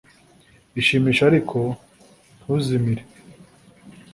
Ishimishe ariko ntuzimire